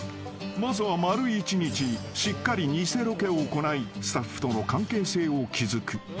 ［まずは丸一日しっかり偽ロケを行いスタッフとの関係性を築く］